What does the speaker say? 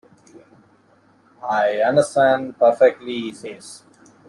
"I onnerstand pairfectly," he says.